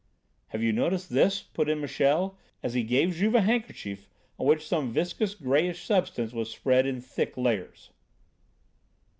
"Have you noticed this, sir?" put in Michel, as he gave Juve a handkerchief on which some vicious, greyish substance was spread in thick layers.